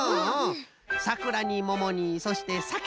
さくらにももにそしてさけ。